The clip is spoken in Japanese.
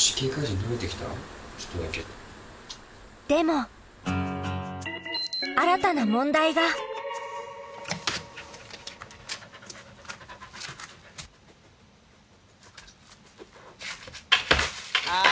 でも新たな問題があ